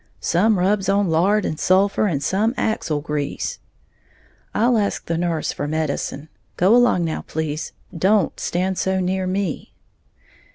"Some rubs on lard and sulphur; and some axle grease." "I'll ask the nurse for medicine, go along now, please, don't stand so near me!"